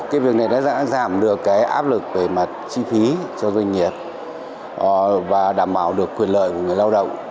cái việc này đã giảm được cái áp lực về mặt chi phí cho doanh nghiệp và đảm bảo được quyền lợi của người lao động